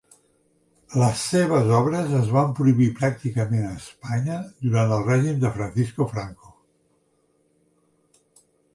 Les seves obres es van prohibir pràcticament a Espanya durant el règim de Francisco Franco.